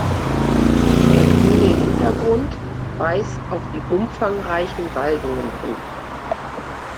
Der grüne Hintergrund weist auf die umfangreichen Waldungen hin.